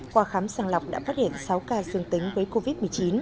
qua khám sàng lọc đã phát hiện sáu ca dương tính với covid một mươi chín